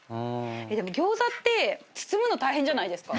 でも餃子って包むの大変じゃないですか？